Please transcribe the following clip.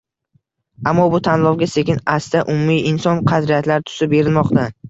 Ammo bu tanlovga sekin-asta «umuminsoniy qadriyatlar» tusi berilmoqda